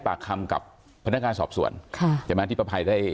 ปกคำกับพลันทพิธีกาสอบสวรรค์แต่แม้ที่ปภัยได้